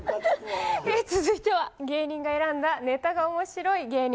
続いては芸人が選んだネタがおもしろい芸人